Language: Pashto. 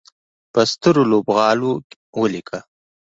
په سترو لوبغالو ولیکه